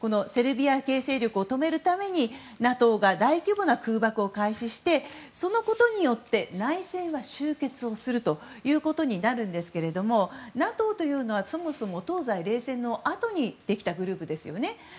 セルビア系勢力を止めるためにＮＡＴＯが大規模な空爆を開始してそのことによって内戦は終結することになるんですがＮＡＴＯというのはそもそも東西冷戦のあとにできたグループですよね。